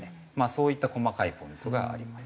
そういった細かいポイントがあります。